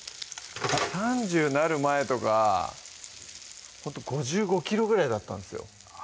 ３０なる前とかほんと５５ｋｇぐらいだったんですよ